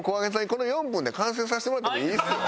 この４分で完成させてもらってもいいですよ。